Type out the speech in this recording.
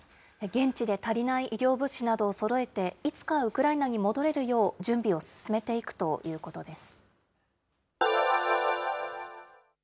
現地で足りない医療物資などをそろえて、いつかウクライナに戻れるよう準備を進めていくということです。